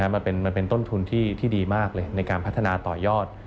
มันเป็นต้นทุนที่ดีมากเลยในการพัฒนาต่อยอด